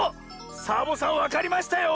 サボさんわかりましたよ！